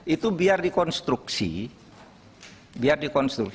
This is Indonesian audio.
itu biar dikonstruksi biar dikonstruksi